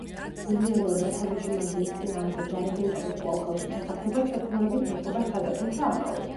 ელეანორმა თავისი მაზლის წინააღმდეგ და რეგენტობის კვლავ ხელში ჩასაგდებად შეთქმულების მოწყობა სცადა, თუმცა ამაოდ.